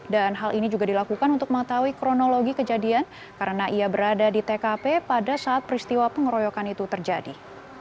dan hal ini juga dilakukan untuk mengetahui kronologi kejadian karena ia berada di tkp pada saat peristiwa pengeroyokan itu terjadi